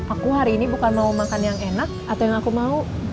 aku hari ini bukan mau makan yang enak atau yang aku mau